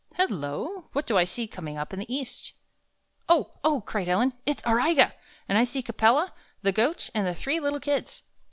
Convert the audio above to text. ''Hello! what do I see coming up in the east?" "Oh, oh!" cried Helen, "it's Auriga! And I see Capella, the Goat, and the three little Kids."